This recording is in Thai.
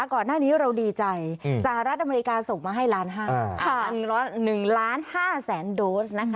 ก่อนหน้านี้เราดีใจสหรัฐอเมริกาส่งมาให้๑๕๐๐๐๐๐โดส